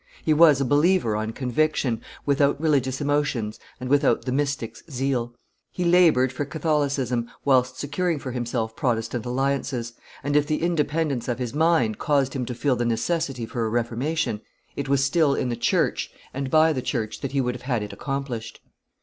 He was a believer on conviction, without religious emotions and without the mystic's zeal; he labored for Catholicism whilst securing for himself Protestant alliances, and if the independence of his mind caused him to feel the necessity for a reformation, it was still in the church and by the church that he would have had it accomplished.